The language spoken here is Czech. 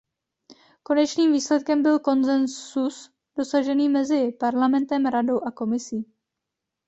Konečným výsledkem byl konsenzus dosažený mezi Parlamentem, Radou a Komisí.